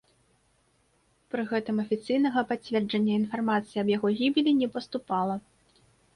Пры гэтым афіцыйнага пацверджання інфармацыі аб яго гібелі не паступала.